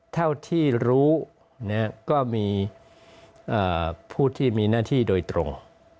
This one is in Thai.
เท่าที่รู้ก็มีผู้ที่มีหน้าที่โดยตรง